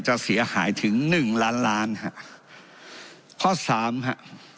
จะเสียหายถึงหนึ่งล้านล้านฮะข้อสามฮะ